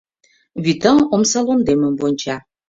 Вӱта омсалондемым вонча.